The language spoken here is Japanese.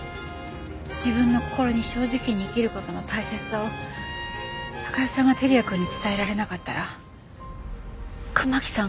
自分の心に正直に生きる事の大切さを貴代さんが輝也くんに伝えられなかったら熊木さん